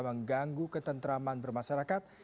mengganggu ketentraman bermasyarakat